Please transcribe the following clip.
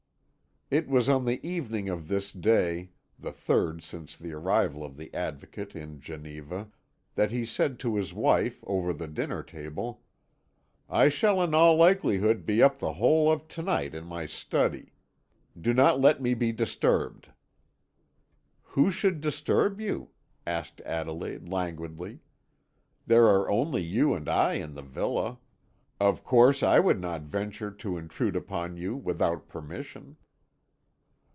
It was on the evening of this day, the third since the arrival of the Advocate in Geneva, that he said to his wife over the dinner table: "I shall in all likelihood be up the whole of to night in my study. Do not let me be disturbed." "Who should disturb you?" asked Adelaide languidly. "There are only you and I in the villa; of course I would not venture to intrude upon you without permission."